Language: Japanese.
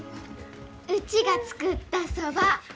うちが作ったそば。